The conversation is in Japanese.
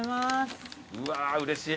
うわうれしい。